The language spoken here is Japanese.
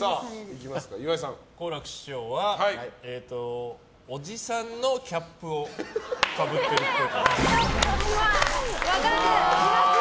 好楽師匠はおじさんのキャップをかぶってるっぽい。